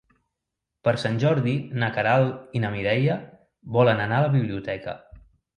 Per Sant Jordi na Queralt i na Mireia volen anar a la biblioteca.